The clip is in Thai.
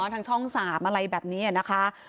ทางช่อง๓อะไรแบบนี้นะคะ